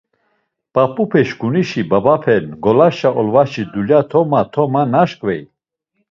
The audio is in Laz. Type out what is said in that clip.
P̌ap̌upeşǩunişi babape ngolaşa olvaşi dulya tamo tamo naşǩvey.